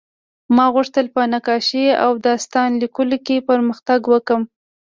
ما غوښتل په نقاشۍ او داستان لیکلو کې پرمختګ وکړم